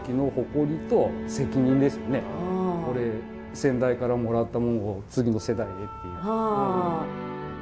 先代からもらったものを次の世代へっていう。